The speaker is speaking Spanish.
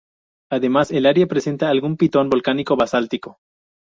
Además, el área presenta algún pitón volcánico basáltico.